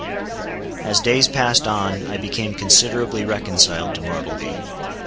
As days passed on, I became considerably reconciled to Bartleby.